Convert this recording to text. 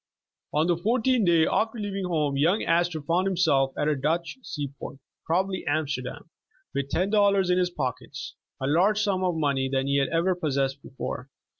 On the fourteenth day after leaving home, young As tor found himself at a Dutch sea port (probably Am sterdam) with ten dollars in his pockets, a larger sum of money than he had ever possessed before.